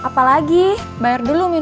karena aku ingin datang kealler